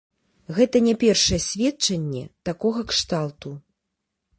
Гэта не першае сведчанне такога кшталту.